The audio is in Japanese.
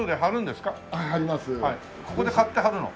ここで買って貼るの？